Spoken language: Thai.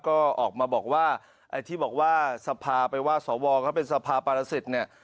ก็ออกมาบอกว่าไอ้ที่บอกว่าสภาไปว่าสวเขาเป็นสภาปารสิทธิ์เนี่ย